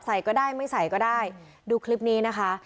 ก็ได้ไม่ใส่ก็ได้ดูคลิปนี้นะคะ